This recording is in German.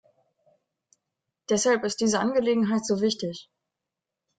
Deshalb ist diese Angelegenheit so wichtig.